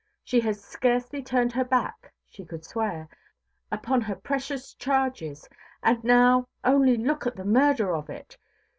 She had scarcely turned her back, she could swear, upon her precious charges; and now only look at the murder of it!